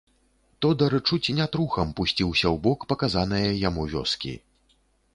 Тодар чуць не трухам пусціўся ў бок паказанае яму вёскі.